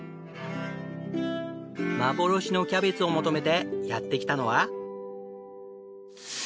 幻のキャベツを求めてやって来たのは。